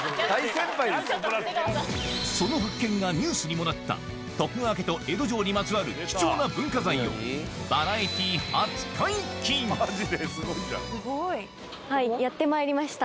その発見がニュースにもなった徳川家と江戸城にまつわる貴重な文化財をはいやってまいりました